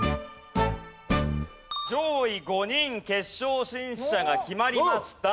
上位５人決勝進出者が決まりました。